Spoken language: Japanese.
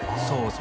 そう